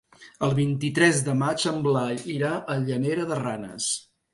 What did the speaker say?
El vint-i-tres de maig en Blai irà a Llanera de Ranes.